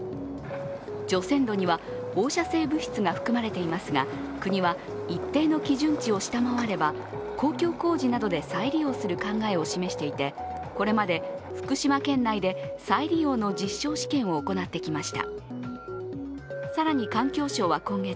除染土には放射性物質が含まれていますが、国は一定の基準値を下回れば公共工事で再利用する考えを示していてこれまで福島県内で再利用の実証試験を行ってきました。